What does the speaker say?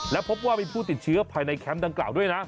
และพบว่ามีผู้ติดเชื้อภายในแคมป์ดังกล่าวด้วยนะ